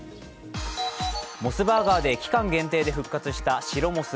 モスバーガーで期間限定で復活した白モス。